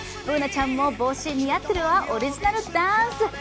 Ｂｏｏｎａちゃんも帽子似合ってるわオリジナルダンス！